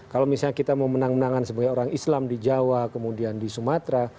kalau misalnya kita mau menang menangan sebagai orang islam di jawa kemudian di sumatera